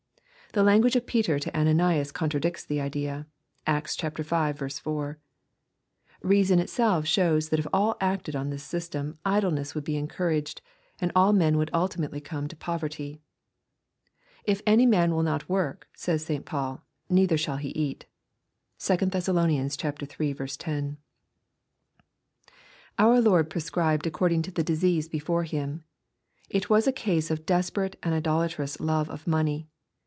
The language of Peter to Annanias contradicts the idea. (Acts V. 4.) Reason itself shows that if all acted on this system, idleness would be encouraged, and all men would ultimately como to poverty. " If any man will not work," says St. Paul, " neither shaU he eat" (2 Thess. iii. 10.) Our Lord prescribed according to the disease before him. It was a case or desperate and idolatrous love of money.